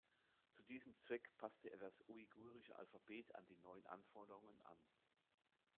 Zu diesem Zweck passte er das Uigurische Alphabet an die neuen Anforderungen an.